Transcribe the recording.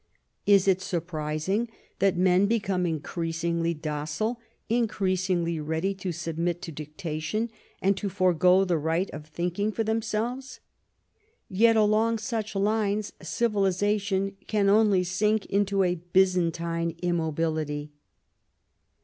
Is it surprising that men become increasingly docile, increasingly ready to submit to dictation and to forego the right of thinking for themselves? Yet along such lines civilization can only sink into a Byzantine immobility.